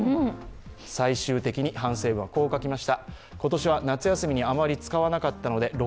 最終的に反省文はこう書きました。